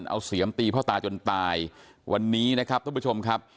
เอาเสียมตีพ่อตาจนตายวันนี้นะครับท่านผู้ชมครับ